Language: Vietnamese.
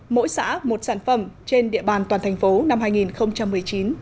mỗi xã một sản phẩm trên địa bàn toàn thành phố năm hai nghìn một mươi chín